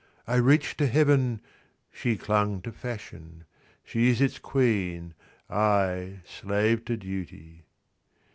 I reached to heaven ; she clung to fashion ; She is its queen ; I, slave to duty.